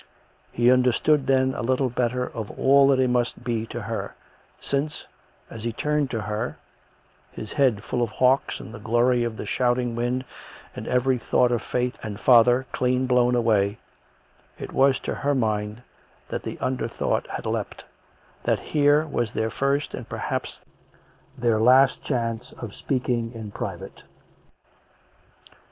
He under COME RACK! COME ROPE! 61 stood then a little better of all that he must be to her, since, as he turned to her (his head full of hawks, and the glory of the shouting wind, and every thought of Faith and father clean blown away), it was to her mind that the under thought had leapt, that here was their first, and perhaps their last, chance of speaking in private.